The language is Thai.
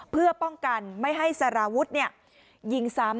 เพื่อป้องกันไม่ให้สารวุฒิยิงซ้ำ